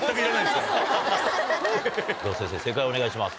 では先生正解をお願いします。